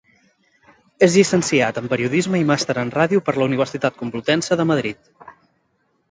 És llicenciat en Periodisme i màster en radio per la Universitat Complutense de Madrid.